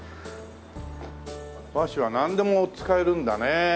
和紙はなんでも使えるんだね。